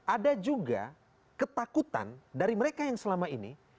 ada juga ketakutan dari mereka yang selama ini